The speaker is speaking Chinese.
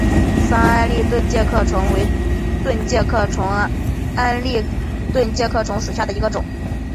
桑安蛎盾介壳虫为盾介壳虫科安蛎盾介壳虫属下的一个种。